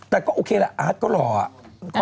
แต่ก็โอเคละอาร์ตก็รออะ